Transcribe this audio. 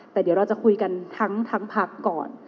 แต่เดี๋ยวเราจะคุยกันทั้งพักก่อน